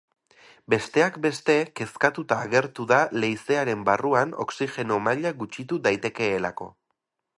Besteak beste, kezkatuta agertu da leizearen barruan oxigeno maila gutxitu daitekeelako.